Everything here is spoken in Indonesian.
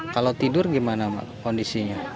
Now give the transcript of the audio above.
kalau hujan bocor semuanya